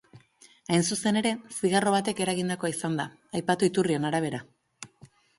Hain zuzen ere, zigarro batek eragindakoa izan da, aipatu iturrien arabea.